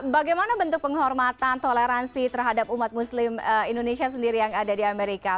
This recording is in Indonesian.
bagaimana bentuk penghormatan toleransi terhadap umat muslim indonesia sendiri yang ada di amerika